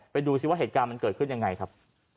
ไปดูซิว่าเหตุการณ์มันเกิดขึ้นยังไงครับ